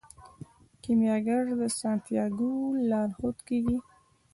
کیمیاګر د سانتیاګو لارښود کیږي.